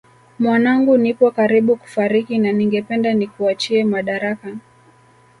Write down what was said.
Mwanangu nipo karibu kufariki na ningependa nikuachie madaraka